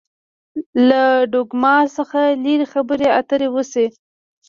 له ډوګما څخه لري خبرې اترې وشي.